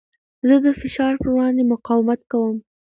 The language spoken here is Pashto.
زه د فشار په وړاندې مقاومت کوم.